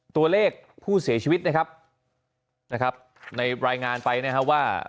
ตัวเลขผู้เสียชีวิตนะครับในรายงานไปนะฮะว่า